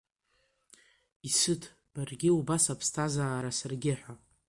Исыҭ баргьы убас аԥсҭазаара саргьы ҳәа.